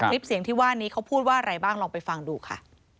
คลิปเสียงที่ว่านี้เขาพูดว่าอะไรบ้างลองไปฟังดูค่ะ